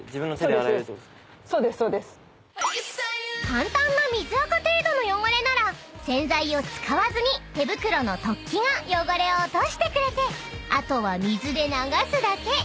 ［簡単な水あか程度の汚れなら洗剤を使わずに手袋の突起が汚れを落としてくれてあとは水で流すだけ］